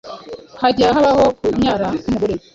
hajya habaho kunyara, kumugore